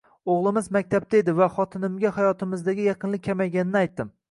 O‘g‘limiz maktabda edi va xotinimga hayotimizdagi yaqinlik kamayganini aytdim